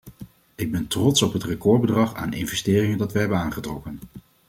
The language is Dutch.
Ik ben trots op het recordbedrag aan investeringen dat we hebben aangetrokken.